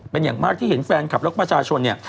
เป็นอย่างมากที่เห็นแฟนคลับแล้วก็ประชาชนเนี่ย